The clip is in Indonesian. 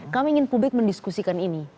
kami ingin publik mendiskusikan ini